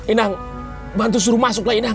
inang bantu suruh masuklah inang